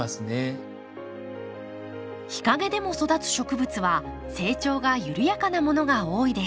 日陰でも育つ植物は成長が緩やかなものが多いです。